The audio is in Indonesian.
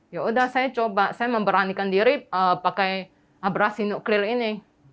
yaudah saya coba saya memberanikan diri pakai abrasi nuklir ini